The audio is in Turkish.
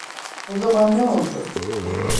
O zaman ne oldu?